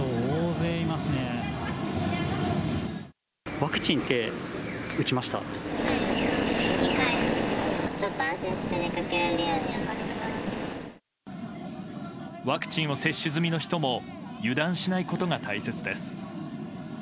ワクチンを接種済みの人も油断しないことが大切です。